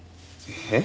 えっ？